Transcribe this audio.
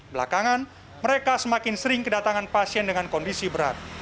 belakangan mereka semakin sering kedatangan pasien dengan kondisi berat